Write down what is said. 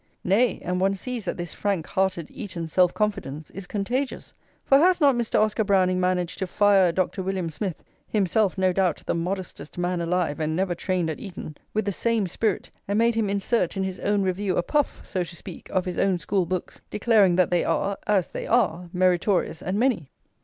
Nay, and one sees that this frank hearted Eton self confidence is contagious; for has not Mr. Oscar Browning managed to fire Dr. William Smith (himself, no doubt, the modestest man alive, and never trained at Eton) with the same spirit, and made him insert in his own Review a puff, so to speak, of his own school books, declaring that they are (as they are) meritorious and many?